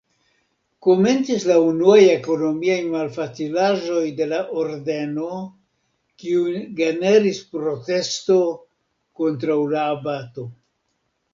Komencis la unuaj ekonomiaj malfacilaĵoj de la Ordeno kiujn generis proteston kontraŭ la abato.